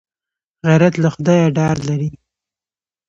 غیرت له خدایه ډار لري